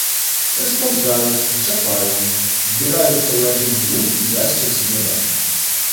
Распаўзаюцца, чапаюцца, збіраюцца ў адзін груд і засцяць неба.